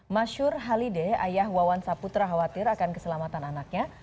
masyur halide ayah wawan saputra khawatir akan keselamatan anaknya